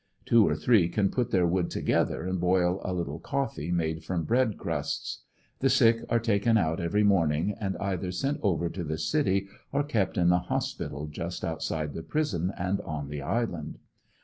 Two or three can put their wood together and boil a little coffee made from bread crusts. The sick are taken out every morning and either sent over to the city or kept in the hospital just outside the prison and on the island.